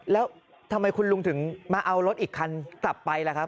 แล้วทำไมคุณลุงถึงมาเอารถอีกคันกลับไปล่ะครับ